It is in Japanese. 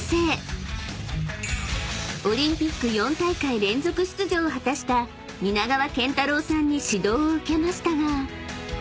［オリンピック４大会連続出場を果たした皆川賢太郎さんに指導を受けましたが］